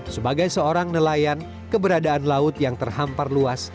sebagai seorang nelayan keberadaan laut yang terhampar luas